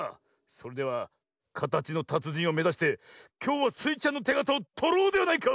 それではかたちのたつじんをめざしてきょうはスイちゃんのてがたをとろうではないか！